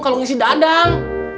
kalung isi dadang